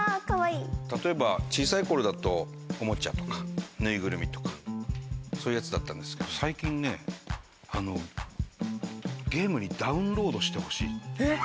例えば小さい頃だと、おもちゃとかぬいぐるみとか、そういうやつだったんですが、最近、ゲームをダウンロードして欲しいって。